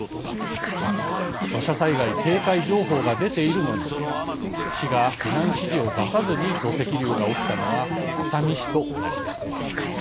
土砂災害警戒情報が出ているのに市が避難指示を出さずに土石流が起きたのは熱海市と同じです。